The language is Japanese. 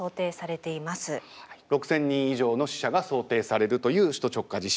６，０００人以上の死者が想定されるという首都直下地震。